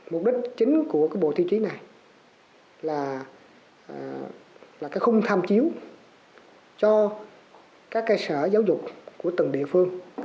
mục đích chính của bộ tiêu chí này là cái khung tham chiếu cho các cơ sở giáo dục của từng địa phương